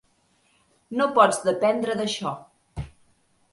No pots dependre d'això.